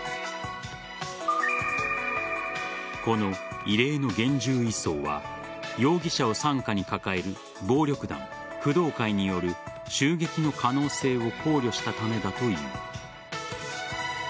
この異例の厳重移送は容疑者を傘下に抱える暴力団・工藤会による襲撃の可能性を考慮したためだという。